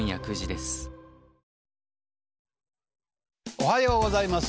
おはようございます。